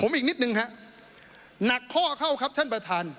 ผมอีกนิดนึงฮะหนักข้อเข้าครับท่านประธาน